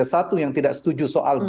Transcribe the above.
satu yang tidak setuju soal